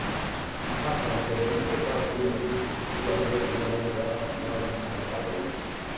Hapa mteremko kwa jumla ni mkubwa zaidi na mwendo wa maji haraka zaidi